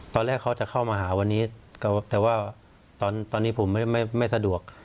ตอนแรกเขาจะเข้ามาหาวันนี้แต่ว่าตอนนี้ผมไม่สะดวก